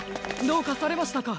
どうかされましたか？